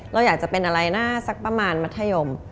เราอยากจะเป็นอะไรนะสักประมาณมัธยม